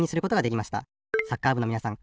サッカーぶのみなさん